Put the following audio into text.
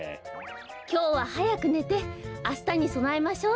きょうははやくねてあしたにそなえましょう。